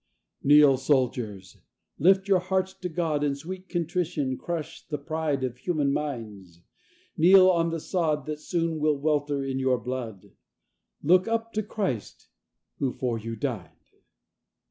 "Kneel, soldiers; lift your hearts to God, In sweet contrition crush the pride Of human minds; kneel on the sod That soon will welter in your blood Look up to Christ, who for you died."